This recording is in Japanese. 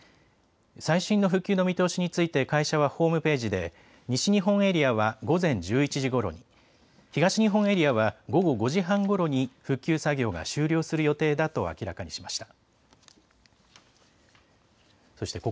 最新の復旧の見通しについて会社はホームページで西日本エリアは午前１１時ごろに、東日本エリアは午後５時半ごろに復旧作業が終了する予定だと明らかにしました。